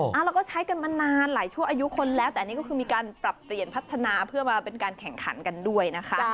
แล้วก็ใช้กันมานานหลายชั่วอายุคนแล้วแต่อันนี้ก็คือมีการปรับเปลี่ยนพัฒนาเพื่อมาเป็นการแข่งขันกันด้วยนะคะ